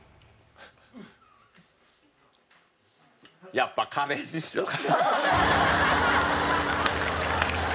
やっぱカレーにしとけば。